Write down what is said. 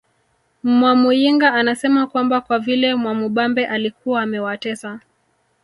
Mwamuyinga anasema kwamba kwa vile Mwamubambe alikuwa amewatesa